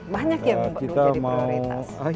banyak yang menjadi prioritas